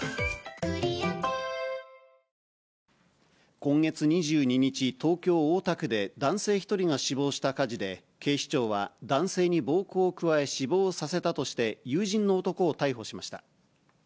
今月２２日、東京・大田区で男性１人が死亡した火事で、警視庁は、男性に暴行を加え、死亡させたとして、友人の男を逮捕しました。